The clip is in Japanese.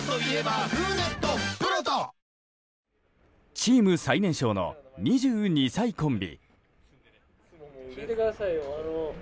チーム最年少の２２歳コンビ。